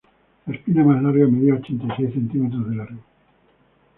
La espina más larga medía ochenta y seis centímetros de largo.